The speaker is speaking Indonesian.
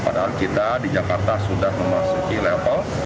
padahal kita di jakarta sudah memasuki level